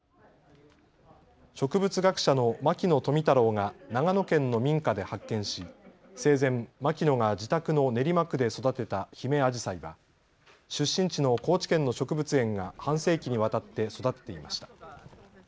植物学者の牧野富太郎が長野県の民家で発見し生前、牧野が自宅の練馬区で育てたヒメアジサイは出身地の高知県の植物園が半世紀にわたって育てていました。